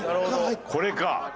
これか！